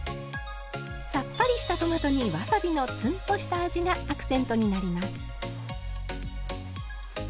さっぱりしたトマトにわさびのツンとした味がアクセントになります。